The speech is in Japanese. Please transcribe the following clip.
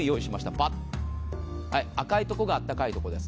バッ、赤いところがあったかいところです。